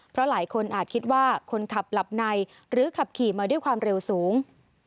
เพราะหลายคนอาจคิดว่าคนขับหลับในหรือขับขี่มาด้วยความเร็วสูง